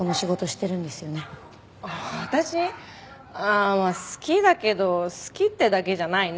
ああ好きだけど好きってだけじゃないね。